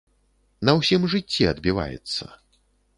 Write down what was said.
На ўсім жыцці адбіваецца.